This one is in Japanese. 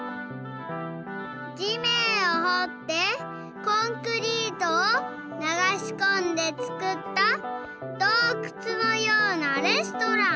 地めんをほってコンクリートをながしこんでつくったどうくつのようなレストラン。